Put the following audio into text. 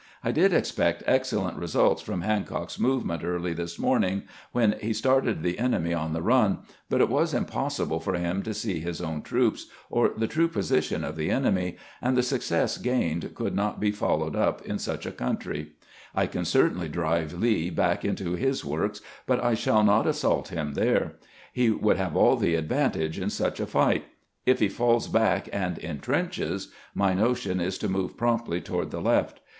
I did expect excellent results from 66 CAMPAIGNING WITH GRANT Hancock's movement early tMs morning, when he started the enemy on the run ; but it was impossible for him to see his own troops, or the true position of the enemy, and the success gained could not be followed up in such a country. I can certainly drive Lee back into his works, but I shall not assault him there ; he would have all the advantage in such a fight. If he falls back and intrenches, my notion is to move promptly toward the left.